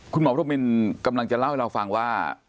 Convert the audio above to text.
คุณหมอพรมินกำลังจะเล่าให้เราฟังว่า